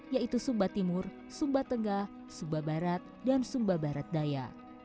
yaitu sumba timur sumba tengah sumba barat dan sumba barat daya